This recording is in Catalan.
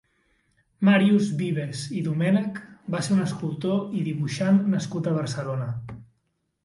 Màrius Vives i Domènech va ser un escultor i dibuixant nascut a Barcelona.